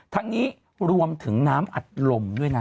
ทั้งนี้รวมถึงน้ำอัดลมด้วยนะ